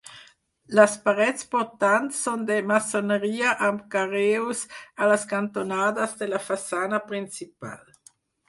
Les parets portants són de maçoneria amb carreus a les cantonades de la façana principal.